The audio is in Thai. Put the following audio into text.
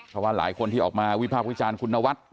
เพราะว่าหลายคนที่ออกมาวิภาควิจารณ์คุณนวัด